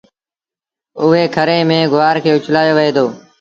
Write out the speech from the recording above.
اُئي کري ميݩ گُوآر کي اُڇلآيو وهي دو۔